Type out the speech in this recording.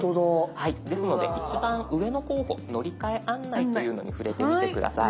ですので一番上の候補「乗り換え案内」というのに触れてみて下さい。